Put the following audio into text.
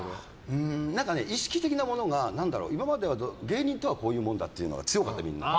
意識的なものが、今までは芸人とはこういうもんだって強かった、みんな。